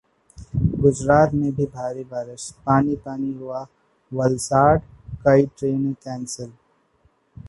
गुजरात में भी भारी बारिश, पानी-पानी हुआ वलसाड, कई ट्रेनें कैंसिल